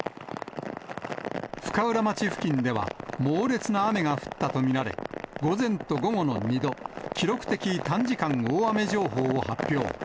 深浦町付近では、猛烈な雨が降ったと見られ、午前と午後の２度、記録的短時間大雨情報を発表。